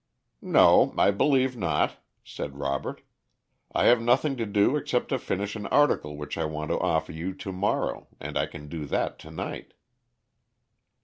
"No, I believe not," said Robert. "I have nothing to do except to finish an article which I want to offer you to morrow, and I can do that to night."